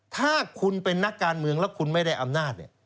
ถ้าคุณเป็นนักการเมืองแล้วคุณไม่ได้อำนาจ